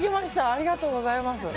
ありがとうございます。